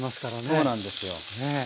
そうなんですよ。